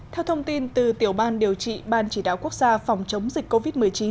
theo thông tin từ tiểu ban điều trị ban chỉ đạo quốc gia phòng chống dịch covid một mươi chín